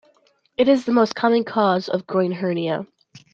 It is the most common cause of groin hernia.